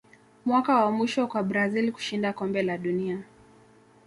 mwaka wa mwisho kwa brazil kushinda kombe la dunia